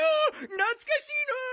なつかしいのう。